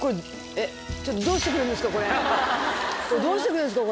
どうしてくれるんですか！？